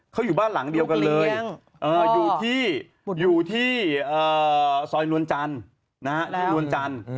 เขาอยู่บ้านหลังเดียวกันเลยอยู่ที่อยู่ที่ซอยนวลจันทร์ที่นวลจันทร์